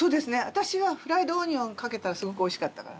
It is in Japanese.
私はフライドオニオンかけたらすごくおいしかったから。